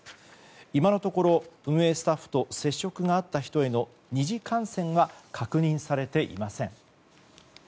今のところ、運営スタッフと接触があった人への２次感染は確認されていません。